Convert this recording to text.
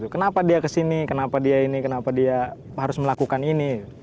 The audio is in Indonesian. kenapa dia kesini kenapa dia ini kenapa dia harus melakukan ini